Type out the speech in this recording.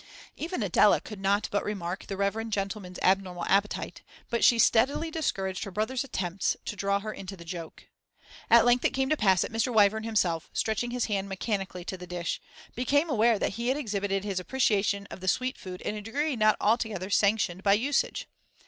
Even Adela could not but remark the reverend gentleman's abnormal appetite, but she steadily discouraged her brother's attempts to draw her into the joke. At length it came to pass that Mr. Wyvern himself, stretching his hand mechanically to the dish, became aware that he had exhibited his appreciation of the sweet food in a degree not altogether sanctioned by usage.